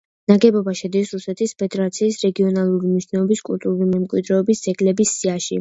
ნაგებობა შედის რუსეთის ფედერაციის რეგიონალური მნიშვნელობის კუტურული მემკვიდრეობის ძეგლების სიაში.